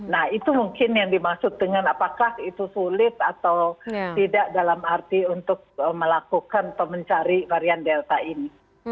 nah itu mungkin yang dimaksud dengan apakah itu sulit atau tidak dalam arti untuk melakukan atau mencari varian delta ini